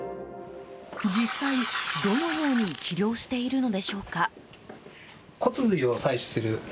実際、どのように治療しているのでしょうか。